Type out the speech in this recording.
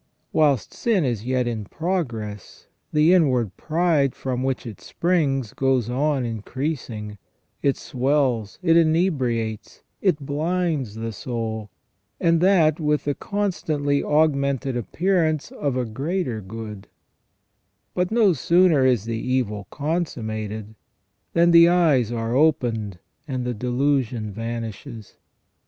Whilst sin is yet in progress, the inward pride from which it springs goes on increasing; it swells, it inebriates, it blinds the • S. J. Chrysost., Horn, De Diabolo Tentatore. 296 THE FALL OF MAN soul, and that with the constantly augmented appearance of a greater good. But no sooner is the evil consummated than the eyes are opened and the delusion vanishes.